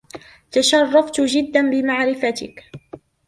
تشرفت جدا بمعرفتك.